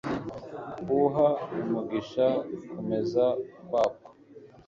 Uha umugisha kumeza kwabwo